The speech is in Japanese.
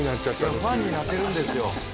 急にパンになってるんですよ